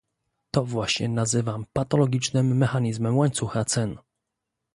To właśnie nazywam patologicznym mechanizmem łańcucha cen